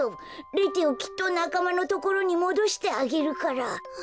レテをきっとなかまのところにもどしてあげるから。